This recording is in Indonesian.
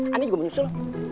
ani juga mau nyusul